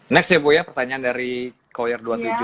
next ya bu ya pertanyaan dari koyar dua puluh tujuh